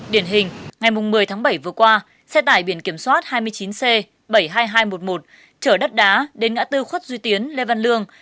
điển hình ngày một mươi tháng bảy vừa qua xe tải biển kiểm soát hai mươi chín c bảy mươi hai nghìn hai trăm một mươi một chở đất đá đến ngã tư khuất duy tiến lê văn lương